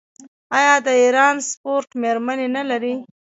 آیا د ایران سپورټ میرمنې نلري؟